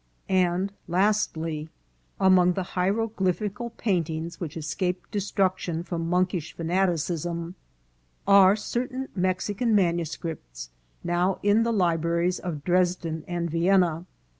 * And, lastly, among the hieroglyphical paintings which escaped destruction from monkish fanaticism are cer tain Mexican manuscripts now in the libraries of Dres den and Vienna.